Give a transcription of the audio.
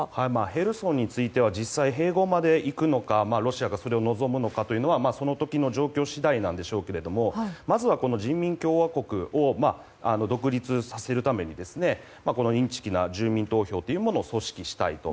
ヘルソンについては実際、併合まで行くのかロシアがそれを望むのかというのはその時の状況次第なんでしょうけれどもまずは人民共和国を独立させるためにインチキな住民投票というものを組織したいと。